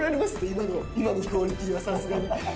今のクオリティーはさすがに。